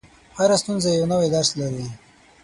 • هره ستونزه یو نوی درس لري.